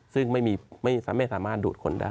ซึ่งไม่สามารถดูดคนได้